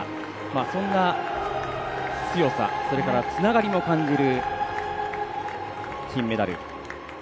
そんな強さそれからつながりも感じる金メダル。